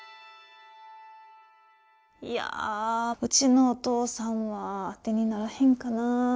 いやうちのお父さんは当てにならへんかなあ。